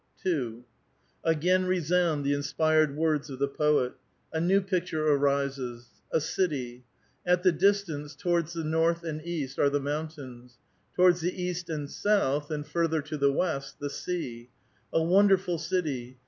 2. Again resound the inspired words of the poet. A new picture arises :— A city. At the distance, towards the north and east, are the mountains ; towards the east and south, and further to the west, the sea. A wonderful city.